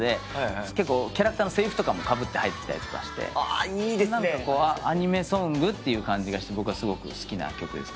キャラクターのせりふとかもかぶって入ってきたりとかしてアニメソングという感じがして僕はすごく好きな曲ですね。